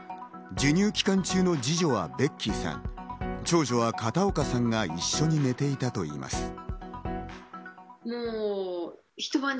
授乳期間中の二女はベッキーさん、長女は片岡さんが一緒に寝ていたといいます。